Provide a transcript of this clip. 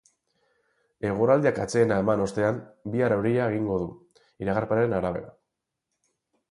Eguraldiak atsedena eman ostean, bihar euria egingo du, iragarpenaren arabera.